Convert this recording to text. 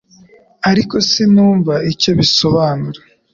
Ariko sinumvaga icyo bisobanura